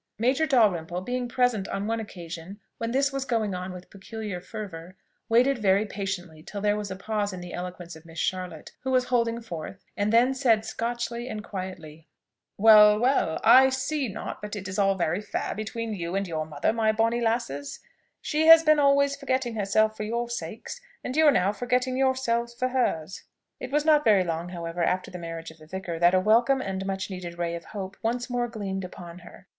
Major Dalrymple being present on one occasion when this was going on with peculiar fervour, waited very patiently till there was a pause in the eloquence of Miss Charlotte, who was holding forth, and then said Scotchly and quietly, "Well, well, I see not but it is all very fair between you and your mother, my bonny lasses: she has been always forgetting herself for your sakes, and you are now forgetting yourselves for hers." It was not very long, however, after the marriage of the vicar, that a welcome and much needed ray of hope once more gleamed upon her.